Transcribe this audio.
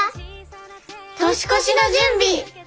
年越しの準備！